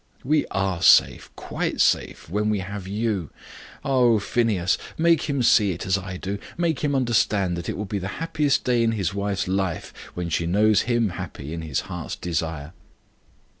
"We are safe quite safe when we have you. Oh, Phineas! make him see it as I do. Make him understand that it will be the happiest day in his wife's life when she knows him happy in his heart's desire."